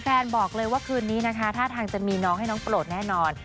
แฟนบอกเลยว่าคืนนี้นะคะท่าทางจะมีน้องให้น้องโปรดแน่นอน